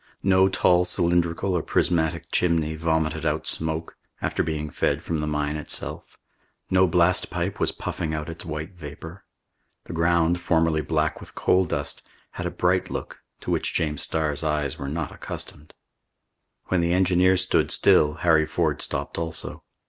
No tall cylindrical or prismatic chimney vomited out smoke, after being fed from the mine itself; no blast pipe was puffing out its white vapor. The ground, formerly black with coal dust, had a bright look, to which James Starr's eyes were not accustomed. When the engineer stood still, Harry Ford stopped also.